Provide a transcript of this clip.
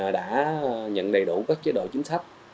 đã nhận đầy đủ các chế độ chính sách